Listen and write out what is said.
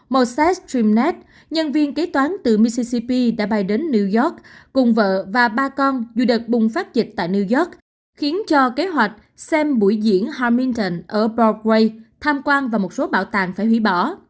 một sách trimnet nhân viên kế toán từ mississippi đã bay đến new york cùng vợ và ba con dù đợt bùng phát dịch tại new york khiến cho kế hoạch xem buổi diễn harmington ở broadway tham quan và một số bảo tàng phải hủy bỏ